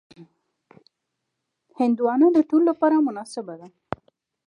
هندوانه د ټولو لپاره مناسبه ده.